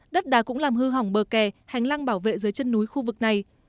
đất đá cũng làm hư hỏng bờ kè hành lang bảo vệ dưới chân núi khu vực này